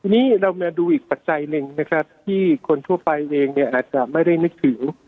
ทีนี้เรามาดูอีกปัจจัยหนึ่งนะครับที่คนทั่วไปเองเนี่ยอาจจะไม่ได้นึกถึง